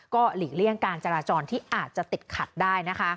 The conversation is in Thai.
ก็หลีกเลี่ยงการจราจรที่อาจจะติดขัดได้นะคะ